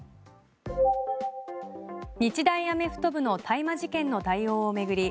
日大アメフト部の大麻事件の対応を巡り